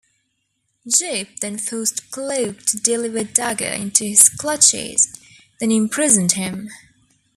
Jip then forced Cloak to deliver Dagger into his clutches, then imprisoned him.